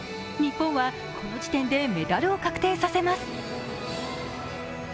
日本はこの時点でメダルを確定させます。